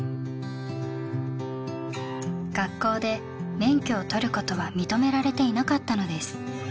学校で免許を取ることは認められていなかったのです。